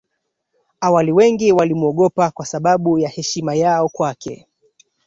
Awali wengi walimwogopa kwa sababu ya heshima yao kwake